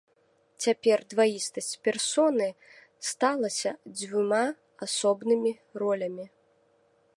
Цяпер дваістасць персоны сталася дзвюма асобнымі ролямі.